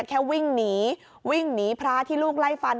แค่วิ่งหนีพระที่ลูกไล่ฟัน